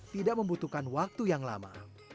tidak membutuhkan waktu yang lama